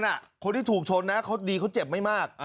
คนที่ถูกชนนะเขาดีเขาเจ็บไม่มาก